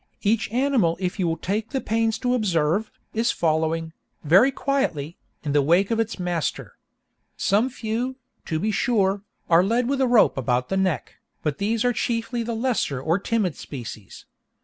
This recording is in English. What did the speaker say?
Each animal if you will take the pains to observe, is following, very quietly, in the wake of its master. Some few, to be sure, are led with a rope about the neck, but these are chiefly the lesser or timid species.